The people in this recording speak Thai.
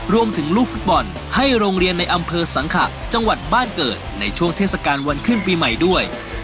ลูกฟุตบอลให้โรงเรียนในอำเภอสังขะจังหวัดบ้านเกิดในช่วงเทศกาลวันขึ้นปีใหม่ด้วย